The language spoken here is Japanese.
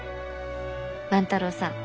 万太郎さん